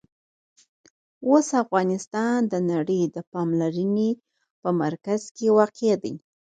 اوس افغانستان د نړۍ د پاملرنې په مرکز کې واقع دی.